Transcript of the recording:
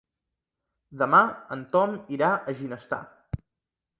Demà en Tom irà a Ginestar.